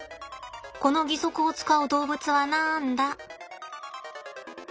この義足を使う動物はなんだ？